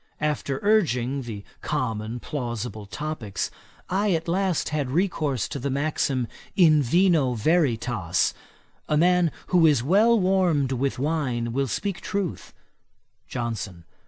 After urging the common plausible topicks, I at last had recourse to the maxim, in vino veritas, a man who is well warmed with wine will speak truth. JOHNSON.